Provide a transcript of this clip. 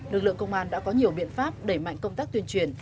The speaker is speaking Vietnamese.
lực lượng công an đã có nhiều biện pháp đẩy mạnh công tác tuyên truyền